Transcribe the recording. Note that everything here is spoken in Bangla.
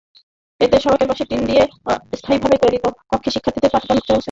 এতে সড়কের পাশে টিন দিয়ে অস্থায়ীভাবে তৈরি কক্ষে শিক্ষার্থীদের পাঠদান চলছে।